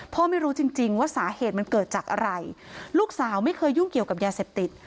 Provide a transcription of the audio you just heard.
ไม่รู้จริงจริงว่าสาเหตุมันเกิดจากอะไรลูกสาวไม่เคยยุ่งเกี่ยวกับยาเสพติด